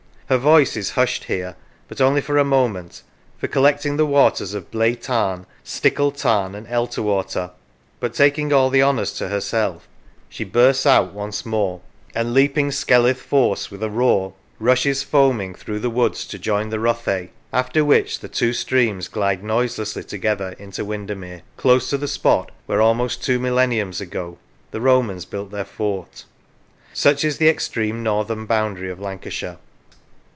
Her voice is hushed here, but only for a moment, for, collecting the waters of Blea Tarn, Stickle Tarn, and Elterwater, but taking all the honours to herself, she bursts out once more, and leaping Boundaries Skelwith Force with a roar, rushes foaming through the woods to join the Rothay, after which the two streams glide noiselessly together into Windermere, close to the spot where, almost two millenniums ago, the Romans built their fort. Such is the extreme northern boundary of Lancashire.